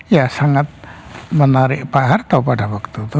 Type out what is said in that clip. ya sangat menarik pak harto pada waktu itu